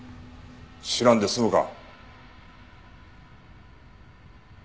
「知らん」で済むか！